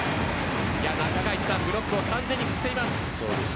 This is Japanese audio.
ブロックを完全に振っています。